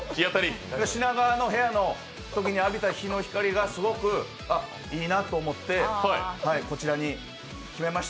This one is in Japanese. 品川の部屋のときに浴びた日の光がすごくいいなと思ってこちらに決めました。